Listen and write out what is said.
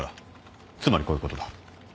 つまりこういうことだ。